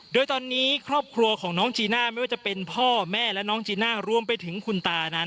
โดยตอนนี้ครอบครัวของน้องจีน่าไม่ว่าจะเป็นพ่อแม่และน้องจีน่ารวมไปถึงคุณตานั้น